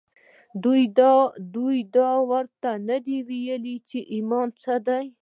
دوی دا ورته نه دي ویلي چې ایمان څه دی